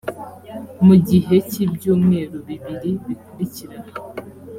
mu gihe cy ibyumweru bibiri bikurikira